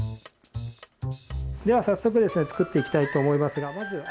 では早速ですね作っていきたいと思います。